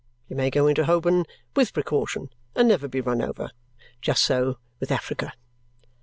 You may go into Holborn, with precaution, and never be run over. Just so with Africa."